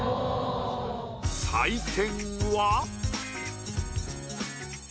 採点は。